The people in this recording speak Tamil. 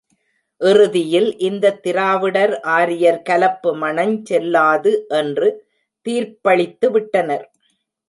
இறுதியில் இந்தத் திராவிடர் ஆரியர் கலப்பு மணஞ் செல்லாது என்று தீர்ப்பளித்து விட்டனர்.